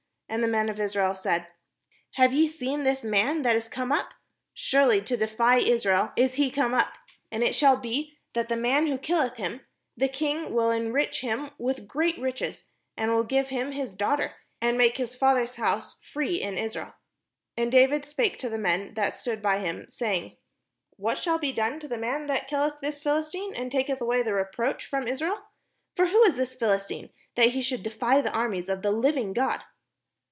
And the men of Israel said: "Have ye seen this man that is come up? surely to defy Israel is he 548 THE SHEPHERD BOY WHO BECAME KING come up: and it shall be, that the man who killeth him, the king will enrich him with great riches, and will give him his daughter, and make his father's house free in Israel." And David spake to the men that stood by him, say ing: "What shall be done to the man that killeth this Philistine, and taketh away the reproach from Israel? for who is this Philistine, that he should defy the armies of the living God?"